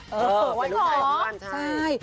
เป็นลูกชายเพื่อนใช่